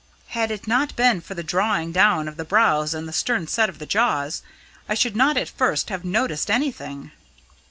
Had it not been for the drawing down of the brows and the stern set of the jaws, I should not at first have noticed anything.